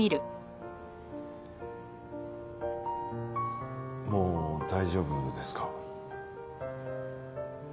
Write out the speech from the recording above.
もう大丈夫ですか？